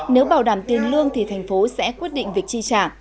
nếu bảo đảm tiền lương thì thành phố sẽ quyết định việc chi trả